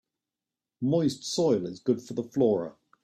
Moist soil is good for the flora.